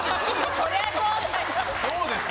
そうですよ。